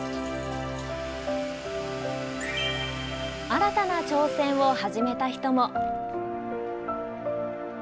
新たな挑戦を始めた人も。